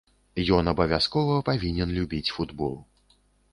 Ён абавязкова павінен любіць футбол.